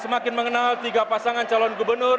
semakin mengenal tiga pasangan calon gubernur